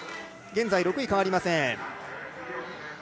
現在６位は変わりません。